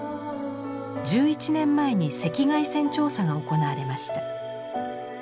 １１年前に赤外線調査が行われました。